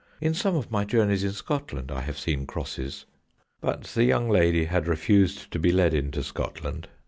In some of my journeys in Scotland I have seen crosses. But the young lady had refused to be led into Scotland.